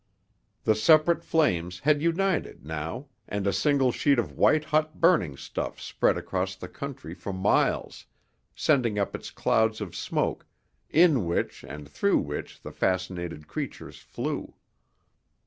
The separate flames had united, now, and a single sheet of white hot burning stuff spread across the country for miles, sending up its clouds of smoke, in which and through which the fascinated creatures flew.